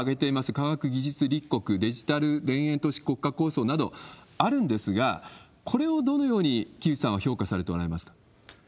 科学技術立国、デジタル田園都市国家構想などあるんですが、これをどのように木内さんは評価されておられますか？